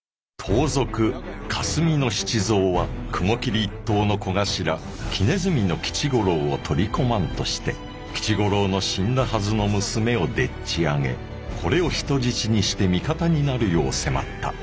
盗賊霞の七三は雲霧一党の小頭木鼠の吉五郎を取り込まんとして吉五郎の死んだはずの娘をでっちあげこれを人質にして味方になるよう迫った。